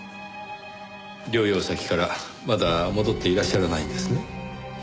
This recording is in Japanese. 療養先からまだ戻っていらっしゃらないんですね。